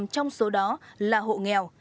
tám mươi năm trong số đó là hộ nghèo